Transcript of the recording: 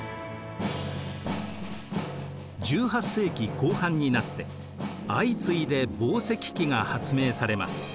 １８世紀後半になって相次いで紡績機が発明されます。